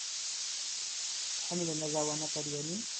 Tḥemmlem aẓawan aṭalyani?